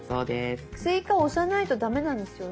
「追加」を押さないと駄目なんですよね？